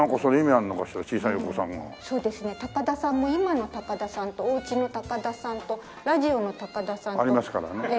そうですね高田さんも今の高田さんとお家の高田さんとラジオの高田さんと。